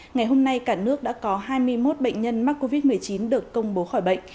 ngày hôm nay cả nước đã có hai mươi một bệnh nhân mắc covid một mươi chín được công bố khỏi bệnh